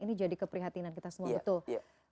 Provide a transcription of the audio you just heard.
ini jadi keprihatinan kita semua betul